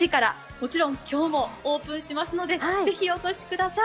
もちろん今日もオープンしますので是非お越しください。